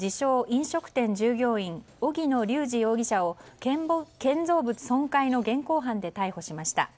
飲食店従業員荻野竜二容疑者を建造物損壊の現行犯で逮捕しました。